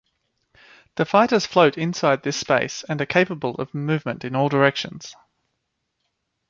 The fighters float inside this space and are capable of movement in all directions.